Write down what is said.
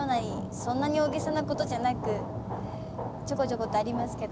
そんなに大げさなことじゃなくちょこちょことありますけど。